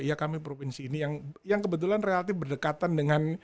ya kami provinsi ini yang kebetulan relatif berdekatan dengan